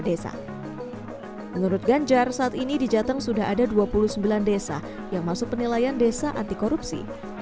desa menurut ganjar saat ini di jateng sudah ada dua puluh sembilan desa yang masuk penilaian desa anti korupsi